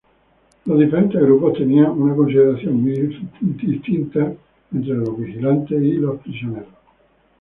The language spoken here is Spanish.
Los diferentes grupos tenían una consideración muy distinta entre los vigilantes y prisioneros.